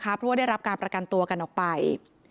เพราะว่าได้รับการประกันตัวกันออกไป